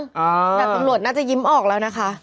ดาบตำรวจน่าจะยิ้มออกแล้วนะคะ